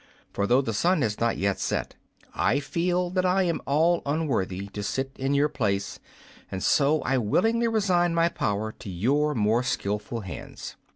For, though the sun has not yet set, I feel that I am all unworthy to sit in your place, and so I willingly resign my power to your more skillful hands.